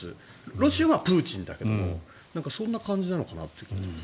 ロシアはプーチンだけどそんな感じなのかなという気がします。